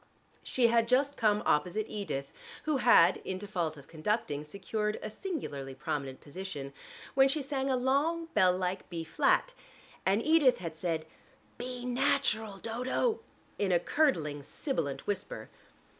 She had just come opposite Edith, who had, in default of conducting, secured a singularly prominent position, when she sang a long bell like B flat, and Edith had said "B natural, Dodo," in a curdling, sibilant whisper.